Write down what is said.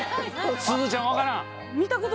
すずちゃんわからん？